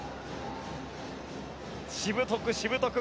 しぶとく、しぶとく。